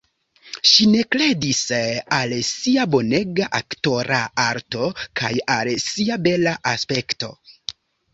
Ŝi ne kredis al sia bonega aktora arto kaj al sia bela aspekto.